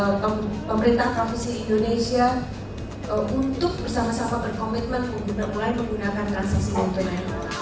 untuk bersama sama berkomitmen menggunakan transaksi non tunai